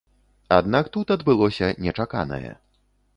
Аднак тут адбылося нечаканае.